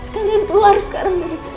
kalian keluar sekarang